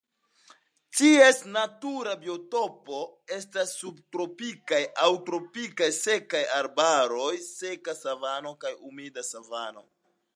Ties natura biotopo estas subtropikaj aŭ tropikaj sekaj arbaroj, seka savano kaj humida savano.